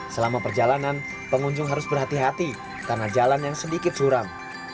selama perjalanan pengunjung harus berhati hati karena jalan yang sedikit suram